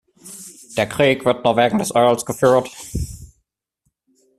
Der Krieg wird doch nur wegen des Öls geführt.